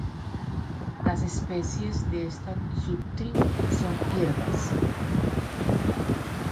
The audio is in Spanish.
Las especies de esta subtribu son hierbas.